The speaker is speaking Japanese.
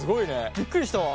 びっくりしたわ。